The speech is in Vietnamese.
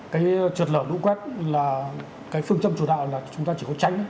cái trượt lở lũ quét là cái phương châm chủ đạo là chúng ta chỉ có tránh